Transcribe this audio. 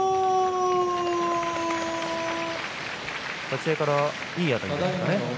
立ち合いからいいあたりでしたね。